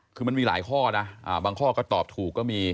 คือมันมีหลายข้อนะบางข้อก็ตอบถูกก็มี